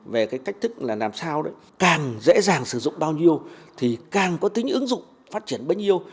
về cách thức làm sao càng dễ dàng sử dụng bao nhiêu thì càng có tính ứng dụng phát triển bất nhiêu